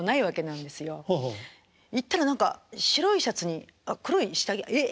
行ったら何か白いシャツに黒い下着え？ええ？